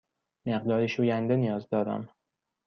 مقداری شوینده نیاز دارم.